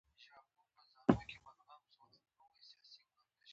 سرعت د وخت تابع دی.